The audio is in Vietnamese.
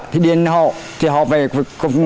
thì điền họ về